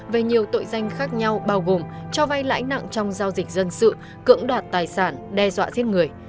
về nhiều tội danh khác nhau bao gồm cho vay lãi nặng trong giao dịch dân sự cưỡng đoạt tài sản đe dọa giết người